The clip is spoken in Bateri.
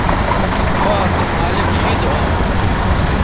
باغ سو مالک شید ھواں